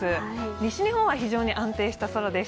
西日本は非常に安定した空です。